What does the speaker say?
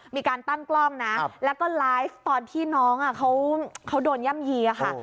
มีการตั้งกล้องนะแล้วก็ไลฟ์ตอนที่น้องเขาโดนย่ำยีค่ะ